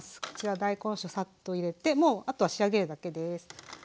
こちら大根おろしをサッと入れてもうあとは仕上げるだけです。